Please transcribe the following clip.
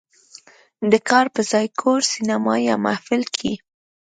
"د کار په ځای، کور، سینما یا محفل" کې